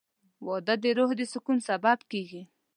• واده د روح د سکون سبب کېږي.